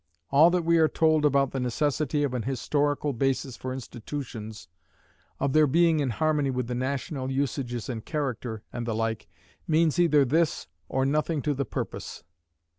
All that we are told about the necessity of an historical basis for institutions, of their being in harmony with the national usages and character, and the like, means either this, or nothing to the purpose.